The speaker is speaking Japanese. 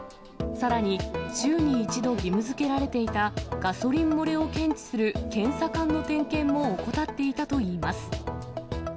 さらに、週に１度義務づけられていたガソリン漏れを検知する検査管の点検も怠っていたといいます。